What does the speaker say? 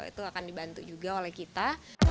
itu akan dibantu juga oleh kita